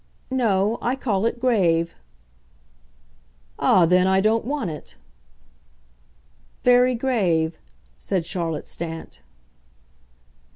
"No I call it grave." "Ah, then, I don't want it." "Very grave," said Charlotte Stant.